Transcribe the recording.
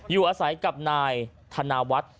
อยู่อาศัยกับนายธนวัฒน์